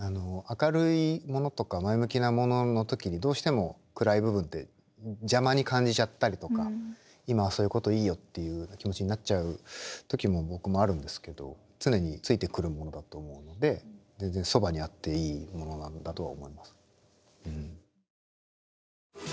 明るいものとか前向きなものの時にどうしても暗い部分って邪魔に感じちゃったりとか今はそういうこといいよっていう気持ちになっちゃう時も僕もあるんですけど常についてくるものだと思うので全然そばにあっていいものなんだとは思います。